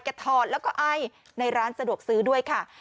ถอดแล้วก็ไอ้ในร้านสะดวกซื้อด้วยค่ะ